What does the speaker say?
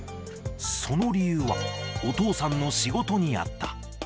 その理由は、お父さんの仕事にあった。